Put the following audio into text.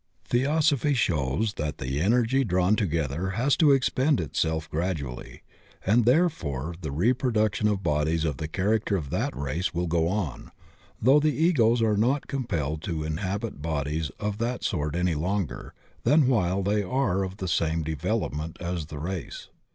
Theosophy shows that the energy drawn together has to expend itself gradually, and therefore the reproduction of bodies of the character of that race will go on, though the Egos are not compelled to inhabit bodies of that sort any longer than while they are of the same devel opment as Sie race.